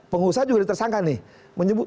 penguasa juga tersangka nih